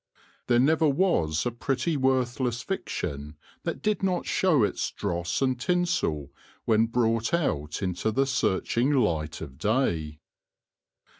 There never was a pretty worthless fiction that did not show its dross and tinsel when brought out into the search ing light of day.